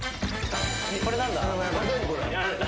これ何だ？